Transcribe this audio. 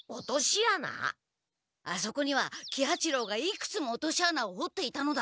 あそこには喜八郎がいくつも落とし穴をほっていたのだ。